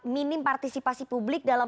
minim partisipasi publik dalam